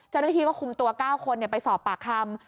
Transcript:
เจ้าหน้าที่ก็คุมตัว๙คนไปสอบปากคำ